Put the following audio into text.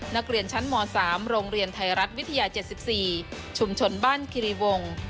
นักเรียนชั้นม๓โรงเรียนไทยรัฐวิทยา๗๔ชุมชนบ้านคิริวงศ์